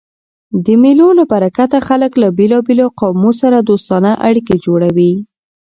د مېلو له برکته خلک له بېلابېلو قومو سره دوستانه اړیکي جوړوي.